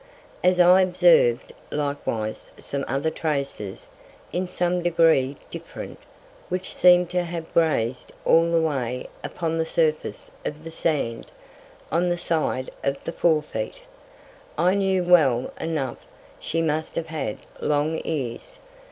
As I observ'd likewise some other Traces, in some Degree different, which seem'd to have graz'd all the Way upon the Surface of the Sand, on the Side of the fore Feet, I knew well enough she must have had long Ears.